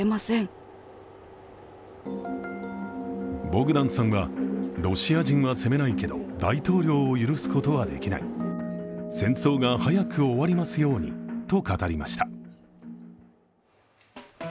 ボグダンさんは、ロシア人は責めないけど大統領を許すことはできない戦争が早く終わりますようにと語りました。